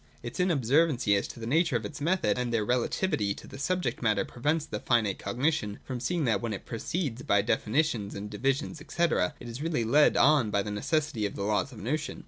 Its inob servancy as to the nature of its methods and their rela tivity to the subject matter prevents this finite cognition from seeing that, when it proceeds by definitions and divisions, &c., it is really led on by the necessity of the laws of the notion.